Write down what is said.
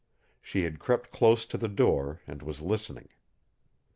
She had crept close to the door and was listening.